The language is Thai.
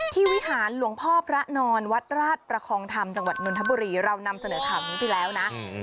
ที่วิหารหลวงพ่อพระนอนวัดราชประคองธรรมจังหวัดนวลธบุรีเรานำเสนอข่าวพิธีพุทธาพิเศษวัตถุมงคลที่แล้วนะ